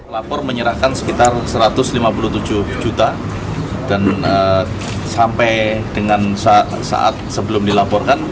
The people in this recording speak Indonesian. lapor menyerahkan sekitar satu ratus lima puluh tujuh juta dan sampai dengan saat sebelum dilaporkan